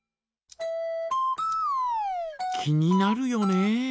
気になるよね。